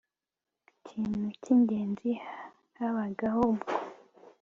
kintu cy'ingenzi, habagaho ubwo